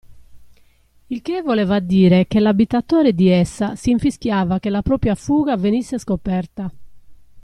Il che voleva dire che l'abitatore di essa si infischiava che la propria fuga venisse scoperta.